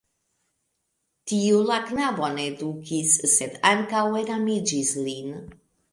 Tiu la knabon edukis, sed ankaŭ enamiĝis lin.